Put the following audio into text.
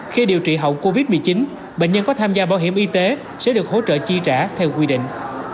khi điều trị hậu covid một mươi chín bệnh nhân có tham gia bảo hiểm y tế sẽ được hỗ trợ chi trả theo quy định